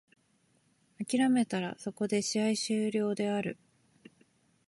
諦めたらそこで試合終了である。